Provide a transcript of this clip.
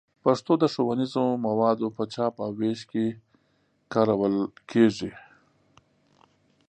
پښتو د ښوونیزو موادو په چاپ او ویش کې کارول کېږي.